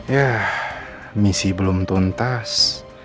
yah misi belum tuntas